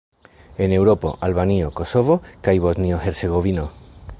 En Eŭropo: Albanio, Kosovo kaj Bosnio-Hercegovino.